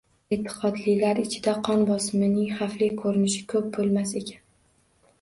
E’tiqodlilar ichida qon bosimining xavfli ko‘rinishi ko‘p bo‘lmas ekan.